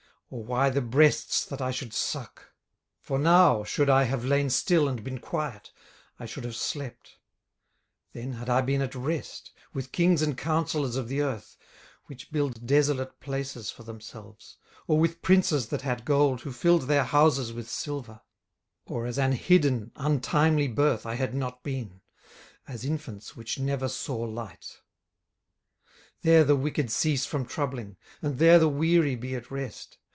or why the breasts that I should suck? 18:003:013 For now should I have lain still and been quiet, I should have slept: then had I been at rest, 18:003:014 With kings and counsellors of the earth, which build desolate places for themselves; 18:003:015 Or with princes that had gold, who filled their houses with silver: 18:003:016 Or as an hidden untimely birth I had not been; as infants which never saw light. 18:003:017 There the wicked cease from troubling; and there the weary be at rest.